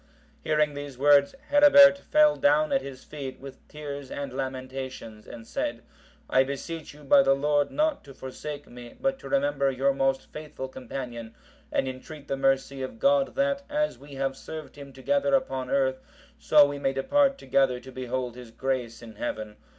Hearing these words, Herebert fell down at his feet, with tears and lamentations, and said, "I beseech you, by the Lord, not to forsake me; but to remember your most faithful companion, and entreat the mercy of God that, as we have served Him together upon earth, so we may depart together to behold His grace in Heaven.